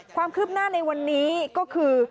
ความคืบหน้าในวันนี้ก็คือ